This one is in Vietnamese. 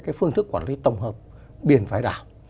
cái phương thức quản lý tổng hợp biển phải đảo